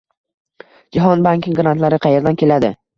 Jahon banki grantlari qayerdan keladi?